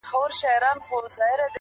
زما ونه له تا غواړي راته_